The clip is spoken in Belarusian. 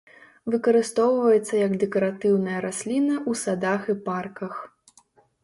Выкарыстоўваецца як дэкаратыўная расліна ў садах і парках.